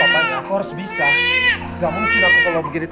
papa pernah bilang kalau bisa suka dinyanyiin